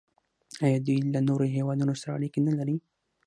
آیا دوی له نورو هیوادونو سره اړیکې نلري؟